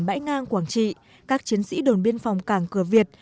bãi ngang quảng trị các chiến sĩ đồn biên phòng cảng cửa việt